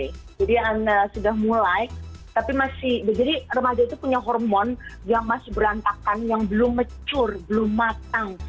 jadi sudah mulai tapi masih jadi remaja itu punya hormon yang masih berantakan yang belum mecur belum matang